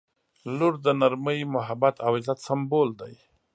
• لور د نرمۍ، محبت او عزت سمبول دی.